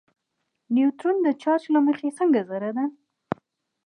نیوټرون د چارچ له مخې څنګه ذره ده.